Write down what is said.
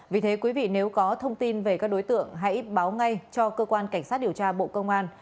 vì thế quý vị nếu có thông tin về các đối tượng hãy báo ngay cho cơ quan cảnh sát điều tra bộ công an